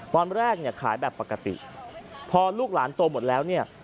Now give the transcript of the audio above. ตอนแรกเนี่ยขายแบบปกติพอลูกหลานโตหมดแล้วเนี่ย